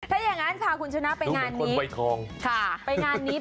ก็ยังนั้นคุณชนะไปงานนี้